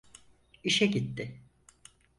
İşe gitti.